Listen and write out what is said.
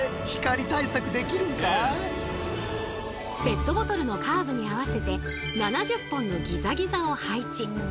ペットボトルのカーブに合わせて７０本のギザギザを配置。